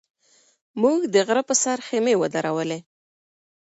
موږ د غره په سر خیمې ودرولې.